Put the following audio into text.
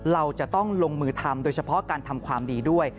เราจะต้องลงมือทำโดยเฉพาะการทำความดีด้วย